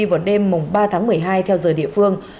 vào đêm ba tháng một mươi hai theo giờ địa phương